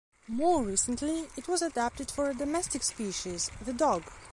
More recently, it was adapted for a domestic species, the dog.